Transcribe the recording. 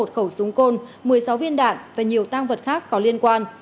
một khẩu súng côn một mươi sáu viên đạn và nhiều tăng vật khác có liên quan